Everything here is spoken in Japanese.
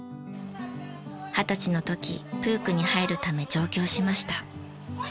二十歳の時プークに入るため上京しました。